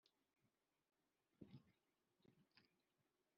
Nuramuka unyuze mu mazi, nzaba ndi kumwe nawe,